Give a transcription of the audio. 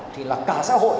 thì là cả xã hội